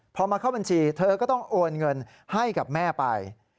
พอมาเข้าบัญชีเธอก็ต้องโอนเงินให้กับแม่ไป